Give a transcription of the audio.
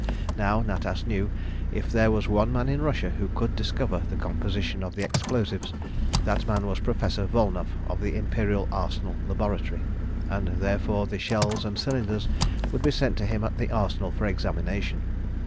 Now Natas knew that if there was one man in Russia who could discover the composition of the explosives, that man was Professor Volnow of the Imperial Arsenal Laboratory, and therefore the shells and cylinders would be sent to him at the Arsenal for examination.